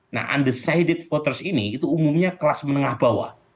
nah undecided voters ini itu umumnya kelas menengah bawah